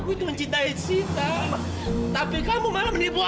ini dewi dia udah bangsa